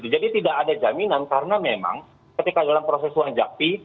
jadi tidak ada jaminan karena memang ketika dalam proses uang jakti